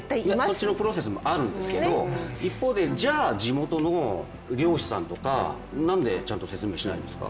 そのプロセスもあるんですけれども、一方でじゃあ地元の漁師さんとかなんでちゃんと説明しないんですか。